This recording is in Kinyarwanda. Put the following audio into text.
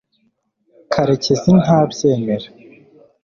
karekezi ntabyemera